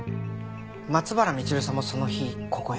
松原みちるさんもその日ここへ？